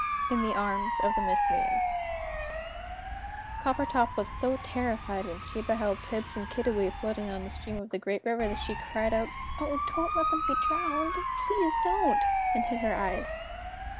IN THE ARMS OF THE MIST MAIDENS Coppertop was so terrified when she beheld Tibbs and Kiddiwee floating down the stream of the great river that she cried out "Oh, don't let them be drowned! Please don't!" and hid her eyes.